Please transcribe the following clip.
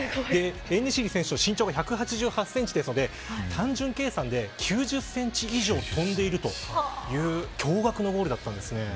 エンネシリ選手の身長が１８８センチなので単純計算で９０センチ以上跳んでいるという驚がくのゴールだったんです。